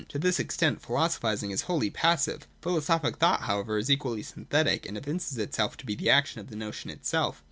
To this extent philosophising is wholly passive. Philosophic thought however is equally synthetic, and evinces itself to be the action of the notion itself.